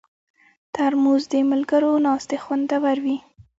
ترموز د ملګرو ناستې خوندوروي.